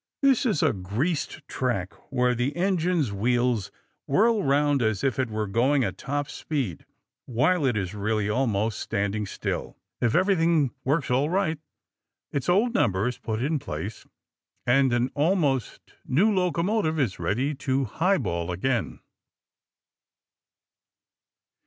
This is a greased track where the engine's wheels whirl round as if it were going at top speed while it is really almost standing still. If everything works all right, its old number is put in place, and an almost new locomotive is ready to highball again.